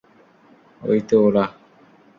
ঐ তো ওরা!